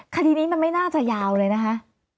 คดีนี้มันไม่น่าจะยาวเลยนะคะ